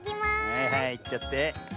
はいはいいっちゃって。